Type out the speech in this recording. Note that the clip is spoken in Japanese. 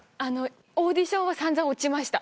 オーディションは散々落ちました。